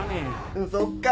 うんそっか。